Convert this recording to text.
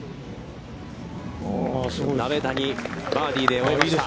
鍋谷、バーディーで終えました。